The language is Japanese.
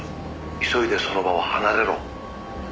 急いでその場を離れろ」